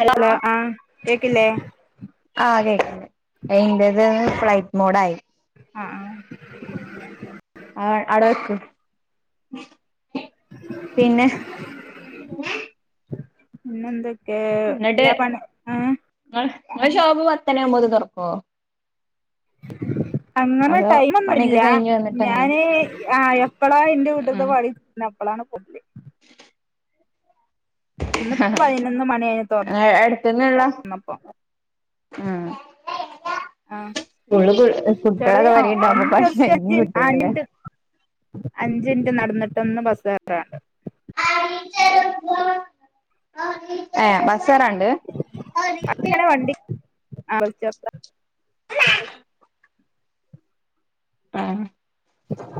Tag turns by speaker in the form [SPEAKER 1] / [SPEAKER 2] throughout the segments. [SPEAKER 1] Hello
[SPEAKER 2] hello ആ കേക്കില്ലേ
[SPEAKER 1] അ ഇന്റേത് ഫ്ലൈറ്റ് മോഡയി
[SPEAKER 2] ആഹ്
[SPEAKER 1] അ അവ്ടെക്ക് [inaudible] പിന്നെ പിന്നെ
[SPEAKER 2] പിന്നൊന്തെക് ഏ എല്ലാ പണി ആ
[SPEAKER 1] ങ്ങളഷോപ്പ് പത്തണി ആവ്മ്പൾകിന് തൊറക്കോ
[SPEAKER 2] അങ്ങനെ ടൈമൊന്നുല്ല
[SPEAKER 1] പണിയൊക്കെ കഴിഞ്ഞ് വന്നിട്ട് അങ്ങനെ
[SPEAKER 2] ഞാന് ആ എപ്പളാ ന്റെ
[SPEAKER 1] ഉം
[SPEAKER 2] വീട്ട്ത്തെ പണി ന അപ്പൊളാണ് പുഡ് ഇന്നിപ്പൊ പതിനൊന്ന് മണി അയ് തൊറ
[SPEAKER 1] അടുത്ത്ന്നുള്ള
[SPEAKER 2] ന്നപ്പൊ
[SPEAKER 1] ഉം
[SPEAKER 2] ആ
[SPEAKER 1] സ്കൂള്
[SPEAKER 2] ചെറിയ
[SPEAKER 1] കുട്ടികളൊക്കെ വരെണ്ടാവുമ്പോ
[SPEAKER 2] ഒന്ന്
[SPEAKER 1] പണി
[SPEAKER 2] ജസ്റ്റ്
[SPEAKER 1] കഴിഞ്ഞും
[SPEAKER 2] എത്തി
[SPEAKER 1] കിട്ടൂലല്ലേ
[SPEAKER 2] ആഞ്ചിൻറ്റ് അഞ്ചിൻറ്റ് നടന്നിട്ടൊന്ന് ബസകേറി ട്ടാ
[SPEAKER 1] ഏ ബ സ്സറാണ്ട്
[SPEAKER 2] അപ്പങ്ങനെ വണ്ടി [unintelligible]
[SPEAKER 1] ആ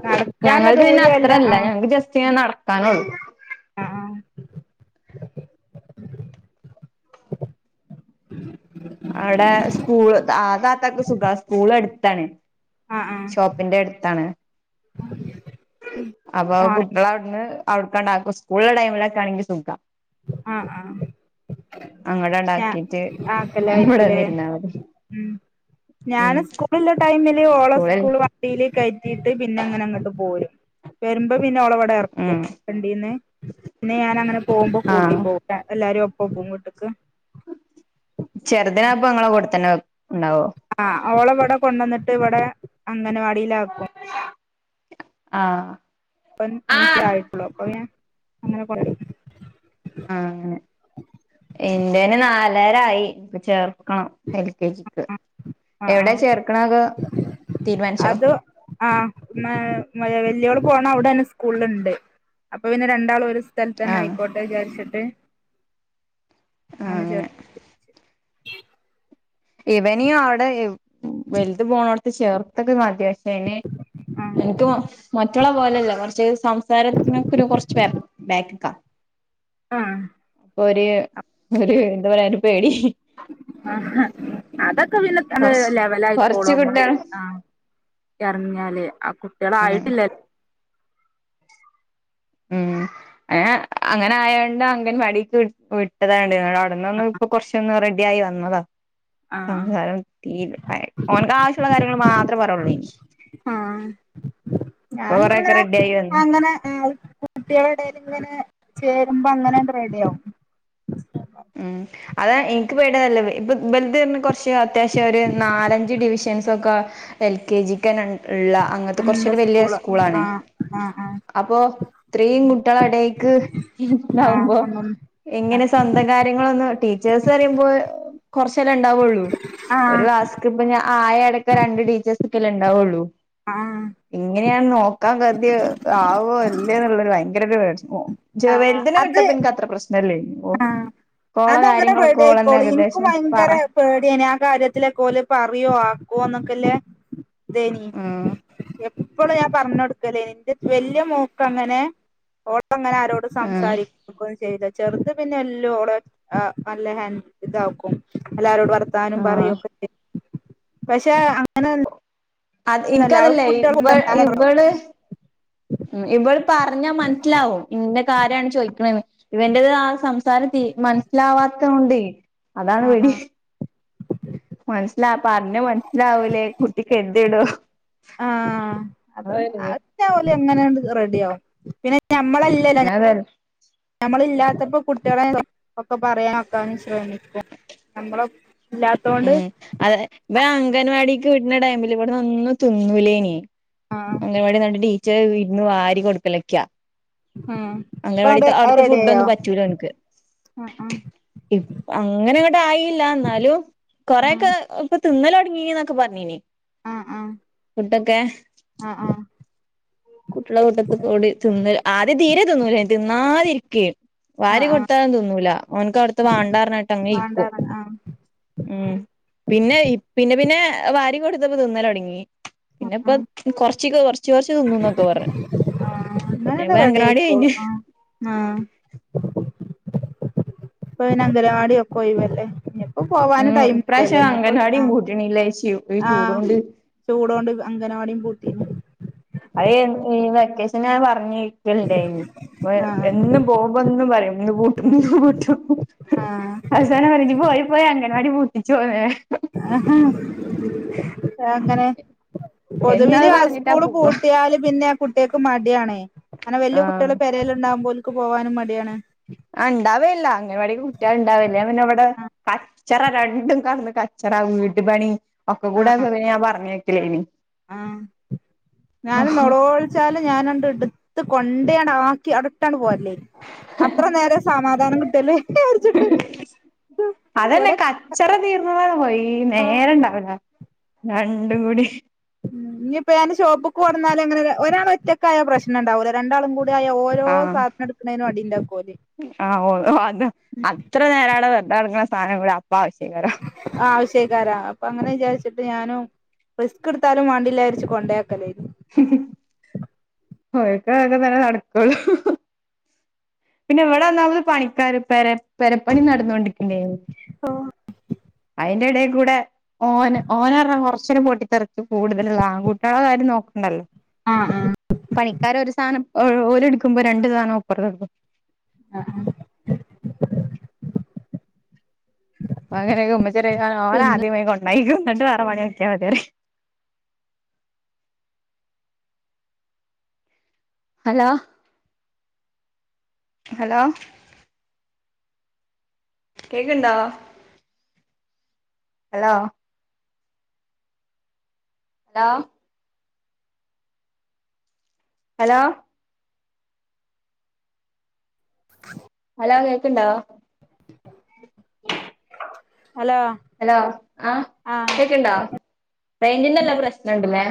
[SPEAKER 2] നടക്കാൻള്ള
[SPEAKER 1] ഞങ്ങൾക്ക്
[SPEAKER 2] ദൂരൊല്ല
[SPEAKER 1] പിന്നെത്രല്ല
[SPEAKER 2] ആഹ്
[SPEAKER 1] ഞങ്ങക്ക് ജസ്റ്റ്ങ്ങനെ നടക്കാനുള്ളു
[SPEAKER 2] ആഹ്
[SPEAKER 1] അവ്ടെ സ്കൂൾ ആ താത്താക്ക് സുഖാ സ്കൂൾ അടു തണെ
[SPEAKER 2] ആഹ് ആഹ്
[SPEAKER 1] ഷോപ്പിന്റെ അടുത്താണ് അപ്പൊ
[SPEAKER 2] ആഹ്
[SPEAKER 1] കുട്ടികളവിടുന്ന് അവ്ടക്കാണ്ടാക്കും സ്കൂളുള്ള ടൈമിലൊക്കാണെങ്കി സുഖാ
[SPEAKER 2] അ ആഹ്
[SPEAKER 1] അങ്ങടണ്ടാക്കിട്ട്
[SPEAKER 2] ആക്ക
[SPEAKER 1] ഇവിടെ
[SPEAKER 2] ലായിരിക്കുല്ലേ
[SPEAKER 1] വന്നിരുന്നാ മതി
[SPEAKER 2] ഉം
[SPEAKER 1] ഉം
[SPEAKER 2] ഞാന് സ്കൂള്ള ടൈം ഓള
[SPEAKER 1] സ്കൂളിൽ
[SPEAKER 2] സ്കൂള്‌വണ്ടില് കയ്റ്റ് ക്കീട്ട് പിന്നെ അങ്ങനെ ഇങ്ങട്ട് പോരും വെരുമ്പോ പിന്നെോളവിടെ ഇറക്കും
[SPEAKER 1] ഉം
[SPEAKER 2] വണ്ടീന്ന് പിന്നെ ഞാൻ അങ്ങനെ പോകുമ്പോ ഈട്ടി
[SPEAKER 1] ആഹ്
[SPEAKER 2] പോ എല്ലാരും ഒപ് പോകുംവീട്ട്ക്ക്
[SPEAKER 1] ചെറുത് ദാപ്പ ഇങ്ങളെ കൂടത്തന്നെ ഇണ്ടാവോ
[SPEAKER 2] ആഹ് ഓളെവടെ കൊണ്ടന്നിട്ട് ഇവിടെ അംഗനവാടി ടിലാക്കും
[SPEAKER 1] ആഹ് ആഹ്
[SPEAKER 2] അപ്പംനൈസായിട്ടുള്ളൂ അപ്പ പിനെ അങ്ങനെ കൊറേ
[SPEAKER 1] ആഹ് അങ്ങനെ ഇന്റേന് നാല് പേരായി ചേർ ക്കണം എൽ കെ ജിക്ക്
[SPEAKER 2] അഹ്
[SPEAKER 1] എവിടെ
[SPEAKER 2] ആഹ്
[SPEAKER 1] ചേർക്കണത് തീരുമാനിച്ചോ
[SPEAKER 2] അത് ആഹ് മഴ വെല്യോള് പോണം ഔടെ ന്നെ സ്കൂളിള്ണ്ട് അപ്പൊ പിന്നെ രണ്ടാളും ഒരു സ്കൂ തൽ തന്ന
[SPEAKER 1] ആഹ്
[SPEAKER 2] ആയിക്കോട്ടെന്നജാരിച് ട്ടെ
[SPEAKER 1] ആഹ് അങ്ങനെ ഇവനി ഔടെ വൽത് പോണോട്ത്ത് ചേർത്തൊക്കെ കാട്ടിയാ എയ്ന് എനിക്ക് മൊ മൊറ്റ് മറ്റോളെ പോലെയല്ല കൊറ്ച്ച് സംസാരത്തിനൊക്കൊരു കൊറ്ച്ച് ബാക്ക് ബാക്ക്ക്കാ
[SPEAKER 2] ആഹ്
[SPEAKER 1] അപ്പൊ ഒര്
[SPEAKER 2] ആഹ്
[SPEAKER 1] ഒര്എന്ത് പറയാ പേടി
[SPEAKER 2] ആഹ് അഹ് അതക് [unintelligible]
[SPEAKER 1] കൊറച്ച് കൊറച്ച്
[SPEAKER 2] ലെവലായിക്കോളുംഅമ്മായി
[SPEAKER 1] കുട്ടികൾ
[SPEAKER 2] ആഹ് എറഞ്ഞാല് ആഹ്
[SPEAKER 1] ഉം
[SPEAKER 2] കുട്ട്യേളായിട്ടില്ലെ
[SPEAKER 1] ഉം അങ്ങനെ ആയാണ്ട് അംഗൻവാടിക്ക് വിട്ടതാ ഔട്ന്നൊന്ന് ഇപ്പ കൊറ്ച്ചൊന്നെ [unintelligible] റെ [unintelligible] ആയി വന്നതാ
[SPEAKER 2] ആഹ് ആഹ്
[SPEAKER 1] സംസാരം തീരെ ഓനക്ക് ആവശ്യമുള്ള കാര്യങ്ങൾ മാത്രമേ പറവുള്ളൂ ഇനി
[SPEAKER 2] ആഹ്
[SPEAKER 1] ഇപ്പൊ
[SPEAKER 2] ഞാൻ
[SPEAKER 1] കൊറെയൊക്കെ
[SPEAKER 2] ഇങ്ങനിങ്ങനെ
[SPEAKER 1] റെഡി ആയി വന്നു
[SPEAKER 2] അങ്ങനെ കുട്ടികളുടെ ഇടയിൽ ഇങ്ങനെ ചേരുമ്പോ അങ്ങനെ അത് റെഡി ആവും
[SPEAKER 1] ഉം
[SPEAKER 2] [unintelligible]
[SPEAKER 1] അതാ എനിക്ക് പേട്യതല്ല ഇപ്പ ബലിത ത കുറച്ച് അത്യാവശ്യം ഒരു നാലഞ്ച് ഡിവിഷൻ ക്കെ എൽ കെ ജിക്ക് ഉള്ള അങ്ങനത്തെ
[SPEAKER 2] നല്ല
[SPEAKER 1] കുറച്ചൊരു വലിയ
[SPEAKER 2] സ്കൂള്
[SPEAKER 1] സ്കൂളാണ്
[SPEAKER 2] ആഹ് ആഹ്
[SPEAKER 1] അപ്പോ ഇത്രയും കുട്ടികളടേയ്ക്ക്
[SPEAKER 2] ആഹ് ആഹ്
[SPEAKER 1] ഉണ്ടാവുമ്പോ
[SPEAKER 2] കൊണ്ടോന്ന്
[SPEAKER 1] എങ്ങനെ
[SPEAKER 2] ആഹ്
[SPEAKER 1] കാര്യങ്ങളൊന്നും ടീച്ചേഴസ് അറയുമ്പോ കുറച്ചെല്ലാം ഉണ്ടാവുള്ളൂ
[SPEAKER 2] ആഹ്
[SPEAKER 1] ഒരുക്ലാസ്സ്‌ ഇക്ക് ആയടെക്ക് രണ്ട് ടീച്ചേർസ് ഒക്കെല്ലേ ഇണ്ട ളു
[SPEAKER 2] ആഹ്
[SPEAKER 1] ഇങ്ങനെയാണ് നോക്ക [unintelligible] ഓ ജ
[SPEAKER 2] ആഹ്
[SPEAKER 1] വലുദിനെ വിട്ടപ്പോ
[SPEAKER 2] അത്
[SPEAKER 1] എനിക്ക് അത്ര പ്രശ്നല്ലേന്ന്‌ ഓ
[SPEAKER 2] ആഹ് അതങ്ങനെ റെഡിയായിക്കോളൂ എനിക്ക്
[SPEAKER 1] പറ
[SPEAKER 2] ഭയങ്കര പേടിയനെ ആ കാര്യത്തിലെക്കോല് പറയുവോ പോന്നൊക്കല്ലേ ദേനി
[SPEAKER 1] ഉം
[SPEAKER 2] ഇപ്പോള ഞാൻ പറഞ്ഞ കൊടുക്കല്ലേ നിന്റെ വലിയ മോക്ക് അങ്ങനെ അങ്ങനെ ആരോട് സംസാരിക്ക ചെയ്ത് ചെറുത പിന്നെ എല്ല നല്ല ഹൻഡ ഇതാക്കും എല്ലരോടും വർത്താനും
[SPEAKER 1] ആഹ്
[SPEAKER 2] പറയൊക്കെ ചെയ പക്ഷെ അങ്ങനെ
[SPEAKER 1] അത് എനിക്കതല്ലേ ഇ ഇവള് ഇവ പറഞ്ഞാ മനസ്സിലാവും ഇന്ന കാര്യാണ് ചോദിക്കണ്ണേന്ന്‌ ഇവന്റേത് ആ സംസാരം തീ മനസ്സിലാവാതോന്റി അതാണ്
[SPEAKER 2] ആഹ്
[SPEAKER 1] വെടി
[SPEAKER 2] ആഹ്
[SPEAKER 1] മനസ്സിലാപ്പറഞ്ഞെ മനസ്സിലാവൂലെ കുട്ടി കര്തിടൊ
[SPEAKER 2] ആ അതൊന്നു അത് ഞാൻ ഓലെ ങ്നെ അണ്ട് റെഡി ആവും പിന്നെ ഞമ്മളല്ലല്ലോ
[SPEAKER 1] പിന്നതെ
[SPEAKER 2] ഞമ്മള് ഇല്ലാത്തപ്പോ കുട്ടികള് ഒക്കെ പറയാനൊക്കാന്ന് ശ്രമിക്കും നമ്മളെ ഇല്ലാത്തോണ്ട്
[SPEAKER 1] ഉം അതെ ഇവൻ അംഗൻവാടീക്ക് വിട്ണ ടൈമിൽ ഇവ്ട്ന്നൊന്നും തിന്നൂലേന്യേ
[SPEAKER 2] ആഹ്
[SPEAKER 1] അംഗൻവാടി നട് ടീ ച്ചേയി ഇരുന്ന് വാരി കൊടുക്കെലയ്ക്കാ
[SPEAKER 2] ആഹ് ഇപ്പ അവിടെ
[SPEAKER 1] അംഗലവാടീത്തെ
[SPEAKER 2] അത്
[SPEAKER 1] ഔട്ത്തെ
[SPEAKER 2] റെഡിയായോ
[SPEAKER 1] ഫുടൊന്നും പറ്റൂല ഓൻക്ക്
[SPEAKER 2] ആഹ്
[SPEAKER 1] ഇപ് അങ്ങനെ ഇങ്ങെട്ടായില്ല ഇന്നാലും കൊറേക്കെ തിന്നലൊടങ്ങീ ന്നൊക്കെ പറഞ്ഞീനി
[SPEAKER 2] ആഹ് ആഹ് ആഹ്
[SPEAKER 1] ഫുഡോക്കെ
[SPEAKER 2] ആഹ് ആഹ്
[SPEAKER 1] കുട്ട്യേളെ കൂട്ടത്ത് കൂടി തിന്ന് ആദ്യം തീരെ തിന്നൂലേനി തിന്നാതിരിക്കെ വാരി
[SPEAKER 2] ആഹ് ആഹ്
[SPEAKER 1] കൊടുത്താലും തിന്നൂല ഓന്ക്ക് അവിടുത്തെ
[SPEAKER 2] ആഹ് ആഹ്
[SPEAKER 1] വാണ്ടാ പറഞ്ഞിട്ട് അങ്ങനെ ഇരിക്കും
[SPEAKER 2] വേണ്ടാന്ന് ആഹ് ആഹ്
[SPEAKER 1] ഉം പിന്നെ പിന്നെ പിന്നെ വാരി കൊടു ഇന്ന് ഇപ്പോ തിന്നല് തൊടങ്ങി പിന്നെ ഇപ്പ
[SPEAKER 2] ആഹ്
[SPEAKER 1] കൊറച് ച്ച്ക്ക് കൊർച് ചോയിച്ച് തിന്നുന്ന് പറഞ്ഞു
[SPEAKER 2] ആഹ്
[SPEAKER 1] അപ്പത്തേന്
[SPEAKER 2] ഇന്നാലത് റെഡി
[SPEAKER 1] കഴിഞ്ഞ്
[SPEAKER 2] ആയിക്കോളും ആഹ് ആഹ് ഇപ്പൊ പിന്നെ അംഗനവാടി ഒക്കെ ഒയിവല്ലെ.
[SPEAKER 1] ഉം ഇപ്രാവശ്യം അംഗനവാടീം പൂട്ടിണില്ലേ [unintelligible]
[SPEAKER 2] ആ ചൂടോണ്ട് അംഗനവാടീം പൂട്ടി.
[SPEAKER 1] അത് ഈ വെക്കേഷനാ പറഞ്ഞെ ക്കലിൻണ്ടേനി അപ്പോ
[SPEAKER 2] ആഹ്
[SPEAKER 1] എന്നും പോകുമ്പോ എന്നും പറയും. എന്ന് പൂട്ടും ഇന്ന് പൂട്ടും അവസാനം പറയാ ഇജ് പോയി പോയി അംഗൻവാടി പൂട്ടിച്ചു [unintelligible]
[SPEAKER 2] ആഹ് അങ്ങനെ
[SPEAKER 1] എന്നും
[SPEAKER 2] പൊതുവില്
[SPEAKER 1] അത്
[SPEAKER 2] ആ
[SPEAKER 1] പറഞ്ഞിട്ടാ
[SPEAKER 2] സ്കൂള്
[SPEAKER 1] പോവാ
[SPEAKER 2] പൂട്ടിയാല് പിൻ പിന്നെ കുട്ട്യേക്കും മടിആണ്. അങ്ങനെ വല്യ
[SPEAKER 1] ആഹ്
[SPEAKER 2] കുട്ട്യോള് പെരേല്ണ്ടാകുമ്പോ ഓല് ക്ക് പോവാനും മടിയാണ്.
[SPEAKER 1] ആ ഇണ്ടാവേല്ല. അങ്കനവാടിക്ക് കുട്ടിയാള് ഇണ്ടാവേല്ല. ഞാൻ പിന്നെ വടെ കച്ചറ രണ്ടും കടന്ന് കച്ചറ വീട്ട് പണി ഒക്കെ കൂട ആയപ്പം പിന്നെഞാൻ പറഞ്ഞ ക്കലേനി.
[SPEAKER 2] ആ ഞാന് നൊളോൾച്ചാല് ഞാനാണ്ട് ഇട് ത്ത് കൊണ്ടയാണ്ട് ആക്കി അടവ്ടട്ടാണ്ട് പോര് കിട്ടല്ലേ വിചാരിച്ചിട്ട്
[SPEAKER 1] അതന്നെ.
[SPEAKER 2] ഇവിടെ
[SPEAKER 1] കച്ചറ തീർന്നത [unintelligible]
[SPEAKER 2] ആഹ്
[SPEAKER 1] നേരണ്ടാവൂല നണ്ട ഗുടി
[SPEAKER 2] ഉ ഇനി ഇപ്പോ എൻ ഷോപ്പക്ക് വടന്നാലും അങ്ങനെ ഒരാൾ ഒറ്റക്കായ പ്രശനം ഉണ്ടാവല്ലോ രണ്ടാളും കൂടി ആയ ഓരോ
[SPEAKER 1] ആഹ
[SPEAKER 2] സാധനം എടുക്കണേനും അടി ഉണ്ടാക്കും ഓല്
[SPEAKER 1] ആ ഓ അത് അത്ര നേരള വ ദർദ സം രാ
[SPEAKER 2] ആഹ് ആഷേക്കാരാ അപ്പൊ അങ്ങനെ വിചാരിച്ച ിട്ട് ഞാനും റിസ്ക് എടുത്താലും വാണ്ടിില്ലാരിച്ചച്ച് കൊണ്ടേയാക്കല്ലേ ഇത്
[SPEAKER 1] പോയക്കൊക്കെ തന്നെ നടക്കളൂ പിന്നെ എവിടെന്നാമത് പണിക്കാർ പ പരപ്പണി നടന്നുകൊണ്ടി അയിന്റെട ടെ ഓ ഓന കൊറച്ചനും പട്ടിത്തെറക്ക കൂടുതലുള്ള ആ കൂട്ടള കാര് നോക്ക ഉണ്ടല്ലോ
[SPEAKER 2] ആഹ് ആഹ്
[SPEAKER 1] പണിക്കാര ഒരു സാധനം ഓര് എടുക്കുമ്പോ രണ്ടണ്ട് സധണോപ്പറത്ത് എടുക്കും
[SPEAKER 2] ആഹ
[SPEAKER 1] അങ്ങനെ ഗുമ്മചര ഓന
[SPEAKER 2] പിന്നെ
[SPEAKER 1] ആദ്യമായി കൊണ്ടായിും രണ്ട് അറ മണി ഒക്കിയാൽ മതിരെ ഹലോ ഹലോ കേക്കണ്ടാ ഹലോ ഹലോ ഹലോ
[SPEAKER 2] [unintelligible]
[SPEAKER 1] ഹലോ കേക്കണ്ടോ ഉ
[SPEAKER 2] ഹലോ
[SPEAKER 1] ഹലോ ആഹ
[SPEAKER 2] ആഹ്
[SPEAKER 1] കേക്കണ്ടോ യിറിിന്റെല്ലാ പ്രശ്നുണ്ടല്ലേ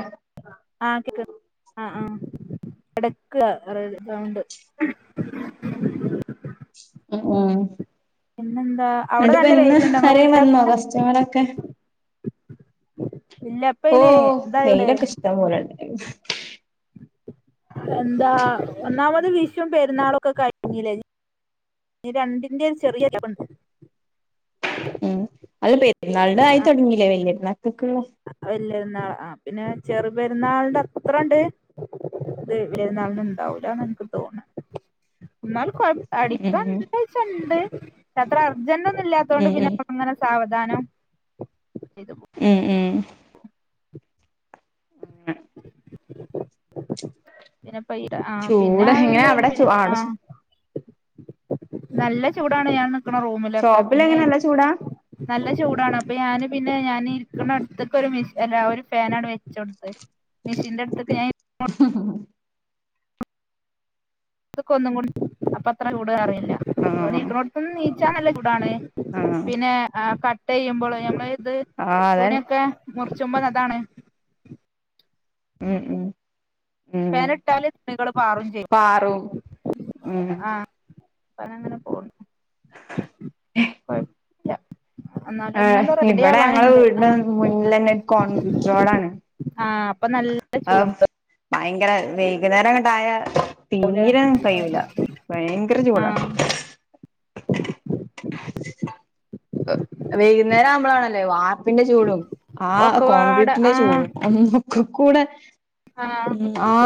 [SPEAKER 2] എടക്ക ഗൗണ്ട് ഉ
[SPEAKER 1] ആ ആഹ
[SPEAKER 2] പിന്നെന്താ അവിടെ
[SPEAKER 1] എന്നിട്ട് ഇപ്പ
[SPEAKER 2] നല്ല
[SPEAKER 1] ഇന്ന്
[SPEAKER 2] വെയിലുണ്ടോ ഇങ്ങളെ
[SPEAKER 1] അരം വന്നോ
[SPEAKER 2] വീട്ടിലൊക്കെ
[SPEAKER 1] കസ്റ്റമറൊക്കെ
[SPEAKER 2] ഇല്ല ഇപ്പ
[SPEAKER 1] ഓ
[SPEAKER 2] അയിന് ഇതായോണ്ട്
[SPEAKER 1] നെയിലൊക്കെ ഇഷ്ടം പോലെണ്ട
[SPEAKER 2] എന്താ ഒന്നാമത് വിഷും പെരുന്നാളൊക്കെ കഴിഞ്ഞില്ലേ രണ്ടിന്റെ ഒരു ചെറിയുണ്ട്
[SPEAKER 1] അല്ല പെരുന്നാളിന്റെ ആയി തുടങ്ങീല്ലേ വല്യ [unintelligible] [unintelligible]
[SPEAKER 2] ല്യരുന്നാള് ആ പിന്നെ ചെറു പെരുന്നാളിന്റെ അത്ര ഉണ്ട് ത് പെരുന്നാളിന് ഉണ്ടാവൂലന്ന് എനിക്ക് തോന്നെ എന്നാലും
[SPEAKER 1] ഉം
[SPEAKER 2] [unintelligible] [unintelligible] ജനലൊന്നും ഇല്ലാത്ത കൊണ്ട്
[SPEAKER 1] ഉം
[SPEAKER 2] പിന്നെ
[SPEAKER 1] ഉം
[SPEAKER 2] അങ്ങനെ സാവധ സാനോം
[SPEAKER 1] ഉം ഉം ഹെ
[SPEAKER 2] പിന്നെ പ ഈത് ആ പിന്നെ
[SPEAKER 1] ചൂട് എങ്ങനെ
[SPEAKER 2] ന്ത്
[SPEAKER 1] അവിടെ ചൂ
[SPEAKER 2] പിന്നെ ആ
[SPEAKER 1] അവിടെ
[SPEAKER 2] നല്ല ചൂടാണ് ഞാൻ ക്ണ റൂമിലൊക്കെ
[SPEAKER 1] ഷോപ്പില്
[SPEAKER 2] പിന്നെ
[SPEAKER 1] എങ്ങനെ നല്ല ചൂടാ
[SPEAKER 2] നല്ല ചൂടാണ് അപ്പൊ ഞാന് പിന്നെ ഞാൻ ഇരിക്കുന്ന അടുത്ത്ക്കൊരു മെഷ് അല്ല ഒരു ഫേനാട് വെച്ചൊട്ത്ത് മെഷീന്റട്ത്ത്ക്ക് ഞാൻ തൊക്കെ ഒന്നും കൂടി അപ്പ അത്ര ചൂട് അറി ല ഒ
[SPEAKER 1] ആഹ്
[SPEAKER 2] നീക്നോട്ത്ത്ന്നീ [unintelligible] ആണ്
[SPEAKER 1] ആഹ്
[SPEAKER 2] പിന്നെ ആ പ ചെയ്യുമ്പോളോ നമ്മള് ത്
[SPEAKER 1] ആഹ് അതെ
[SPEAKER 2] തുണിയൊക്കെ മുറിച്ചുമ്പോ അതാണ്
[SPEAKER 1] മ് മ്
[SPEAKER 2] പേന ഇട്ടാലെ തുണികള് പാറും ചെയ്യും
[SPEAKER 1] പാറും ഉം
[SPEAKER 2] ആഹ് [unintelligible] ലാ
[SPEAKER 1] ആഹ് ഇവിടെ ഞങ്ങ
[SPEAKER 2] ആ
[SPEAKER 1] വീടിനു മുന്നില് ന്നെ കോൺക്രീറ്റ് റോടാണ്
[SPEAKER 2] ആ അപ്പൊ നല്ല
[SPEAKER 1] ആ ഭയങ്കര വൈകുന്നേരങ്ങട്ടായ
[SPEAKER 2] ചൂടുണ്ടാവൂലേ
[SPEAKER 1] തീരെ കഴൂല ഭയങ്കര
[SPEAKER 2] ആ
[SPEAKER 1] ചൂടാ വൈകുന്നേരം ആമ്പോളാണല്ലേ വാ പ്പിന്റെ ചൂടും ആ
[SPEAKER 2] ഒക്കെപാടെ
[SPEAKER 1] കോൺക്രീറ്റിന്റെ ചൂടും ഒക്കും കൂടെ
[SPEAKER 2] ആഹ്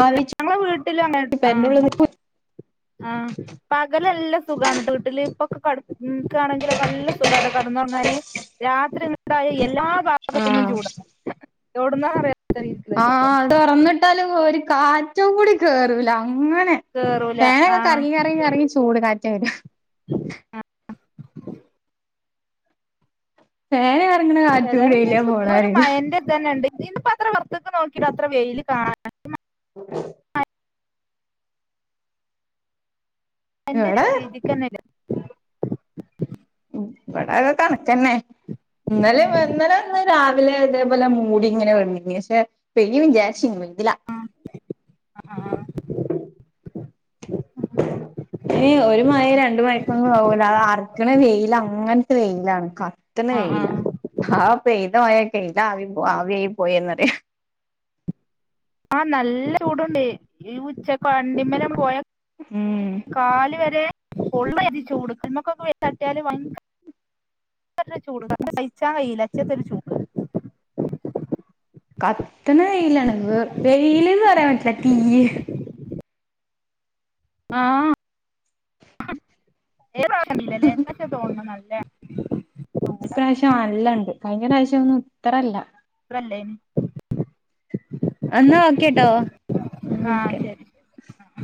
[SPEAKER 2] ഉള്ള് ഞങ്ങളെ വീട്ടിലും അങ്ങനെ ആഹ്
[SPEAKER 1] പെരന്റുള്ളിൽ നിക്കു
[SPEAKER 2] ആഹ് പ വലെല്ലം സുഗാണ് ട്ടോ ട്ട്ല് പ്പം കടക്കാണെങ്കിലൊക്കെല്ല സുഖട്ടോ കടന്നൊർങ്ങാന് രാത്രിണ്ടായ എല്ലാ ഭാഗത്തൊന്നും ചൂട യൊട് ന്നാ അറിയ
[SPEAKER 1] ആഹ അടൊർന്ന്ട്ടാല് ഓര് കാറ്റും കൂടി കേറൂല അങ്ങനെ
[SPEAKER 2] കേറൂല ആ
[SPEAKER 1] ഫേനൊക്കെ കറങ്ങി കറങ്ങി കറങ്ങി ചൂട് കാറ്റ എര ഹ
[SPEAKER 2] ആഹ
[SPEAKER 1] പേന
[SPEAKER 2] ഏതാലും [unintelligible] ഒര് മഴന്റെ ഇതന്നെണ്ട് ഇന്ന്പ്പോ അത്ര വർത്തക്ക നോക്കിട്ട് അത്ര വെയില് കാണാ എന്തരു
[SPEAKER 1] ഇവിടെ
[SPEAKER 2] രീതിക്കന്നെത്
[SPEAKER 1] ഇവിടെത് കണക്കന്നെ
[SPEAKER 2] ആ
[SPEAKER 1] ഇന്നലെവന്ന് ഇന്നലന്ന് രാവിലെ ഇതേപോലെ മൂടിങ്ങനെ വന്നീനി പക്ഷെ പെയ്യും വിചാര്ച്ന്ന് ഇല
[SPEAKER 2] ആഹ്
[SPEAKER 1] ഈ ഒരു മയ രണ്ട് മയക്കൊന്നും പോകൂല അ അറക്കണ വെയില അങ്ങനത്തെ വെയിലാണ് ക കത്തണ
[SPEAKER 2] ആഹ്
[SPEAKER 1] വെയിലാ
[SPEAKER 2] ആഹ്
[SPEAKER 1] ആ പെയ്യ്ത മയ പെയ്യ്ത ആവി ആവിയായി പോയിന്നറിയാ
[SPEAKER 2] ആഹ് നല്ല ചൂടോണ്ട് ഈ ഉച്ചക്ക [unintelligible] പോയ
[SPEAKER 1] ഉം
[SPEAKER 2] കാല് വരെ പൊള്ള് ചൂട് [unintelligible] തട്ടിയാല് ഭയങ്കര ചൂട് നമ്മക്ക് സഹിച്ചാൻ കഴിയുല അച്ചത്തൊരു ചൂട്
[SPEAKER 1] കത്തണ വെയിലാണ് ഏഹ് വെയില്ന്ന് പറയാൻ പറ്റില്ല തീയ്യ്
[SPEAKER 2] ആഹ് [unintelligible] എന്തൊക്കെ തോന്നണത് ല്ല
[SPEAKER 1] ഇപ്രാവശ്യം നല്ലണ്ട് കഴിഞ്ഞ പ്രശ്യം ഒന്നും ഇത്രല്ല
[SPEAKER 2] [unintelligible]
[SPEAKER 1] എന്നാ ഓക്കേട്ടോ
[SPEAKER 2] ആഹ് ശരി
[SPEAKER 1] [unintelligible]